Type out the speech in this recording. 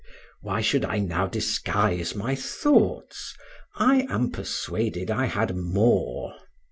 Why should I now disguise my thoughts? I am persuaded I had more.